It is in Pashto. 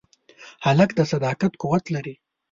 هلک د صداقت قوت لري.